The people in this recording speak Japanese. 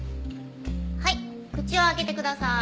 はい口を開けてくださーい。